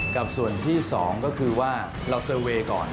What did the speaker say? กับส่วนที่๒ก็คือว่าเราเซอร์เวย์ก่อน